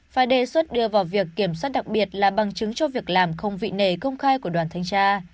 phải đề xuất đưa vào việc kiểm soát đặc biệt là bằng chứng cho việc làm không vị nể công khai của đoàn thanh tra